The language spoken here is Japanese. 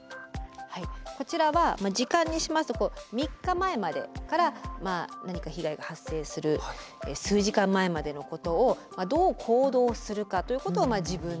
こちらは時間にしますと３日前までから何か被害が発生する数時間前までのことをどう行動するかということを自分で書いていくと。